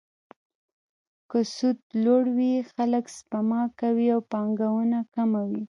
که سود لوړ وي، خلک سپما کوي او پانګونه کمه وي.